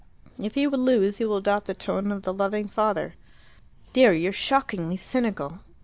If he would lose, he will adopt the tone of the loving father." "Dear, you're shockingly cynical."